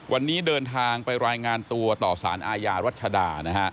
วันนี้เดินทางไปรายงานตัวต่อสารอาญารัชดานะฮะ